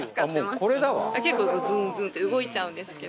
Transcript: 結構ズンズンって動いちゃうんですけど